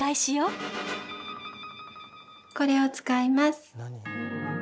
これを使います。